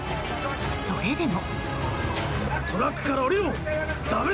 それでも。